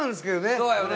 そうやよね。